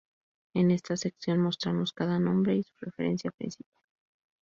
En esta sección mostramos cada nombre y su referencia principal.